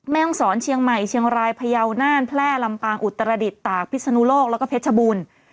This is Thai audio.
แม่ห้องศรเชียงใหม่เชียงรายพยาวน่านแพร่ลำปางอุตรดิษฐตากพิศนุโลกแล้วก็เพชรบูรณ์